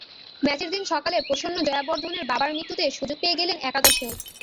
ম্যাচের দিন সকালে প্রসন্ন জয়াবর্ধনের বাবার মৃত্যুতে সুযোগ পেয়ে গেলেন একাদশেও।